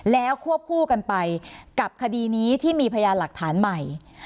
แล้วควบคู่กันไปกับคดีนี้ที่มีพยานหลักฐานใหม่